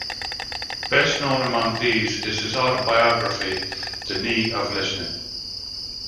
Best known among these is his autobiography, The Knee of Listening.